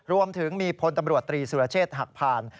รวมถึงมีพลตำรวจตรีสุรเชษฐ์หักผ่าน